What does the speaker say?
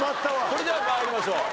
それでは参りましょう。